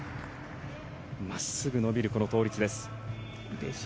真っすぐ伸びる倒立です。